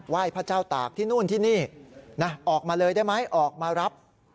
ยพระเจ้าตากที่นู่นที่นี่นะออกมาเลยได้ไหมออกมารับ